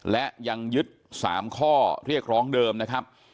และยังยึด๓ข้อเรียกร้องเดิมนะครับ